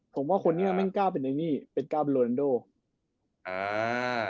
ผมว่าคนนี้มันกล้าเป็นอันนี้เป็นกล้าเป็นโรนันโดอ่า